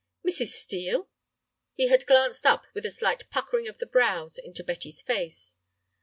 "Mrs. Steel—?" He had glanced up with a slight puckering of the brows into Betty's face.